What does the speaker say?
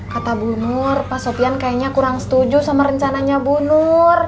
kata bu nur pak sofian kayaknya kurang setuju sama rencananya bu nur